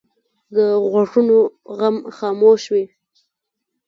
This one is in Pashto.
د غوږونو غم خاموش وي